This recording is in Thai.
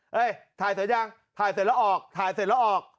ถ่ายเสร็จยังถ่ายเสร็จแล้วออกถ่ายเสร็จแล้วออก